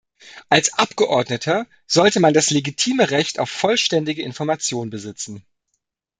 Als Abgeordneter sollte man das legitime Recht auf vollständige Information besitzen.